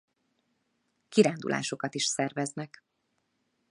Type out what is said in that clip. Kirándulásokat is szerveznek.